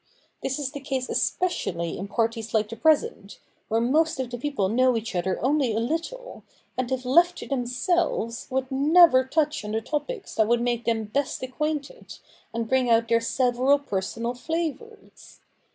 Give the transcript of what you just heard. This is the case especially in parties like the present, where most of the people know each other only a little, and if left to themselves would never touch on the topics that would make them best acquainted, and best bring out their several personal flavours.